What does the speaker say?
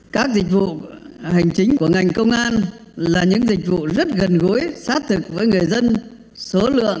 các dịch vụ hành chính của ngành công an là những dịch vụ rất gần gũi sát thực với người dân số lượng